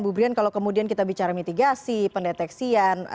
bu brian kalau kemudian kita bicara mitigasi pendeteksian